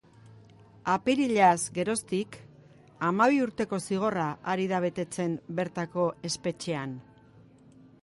Apirilaz geroztik, hamabi urteko zigorra ari da betetzen bertako espetxean.